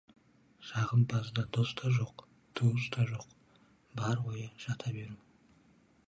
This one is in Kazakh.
Жағымпазда дос та жоқ, туыс та жоқ, бар ойы — жата беру.